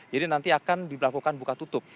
jadi nanti akan dilakukan buka tutup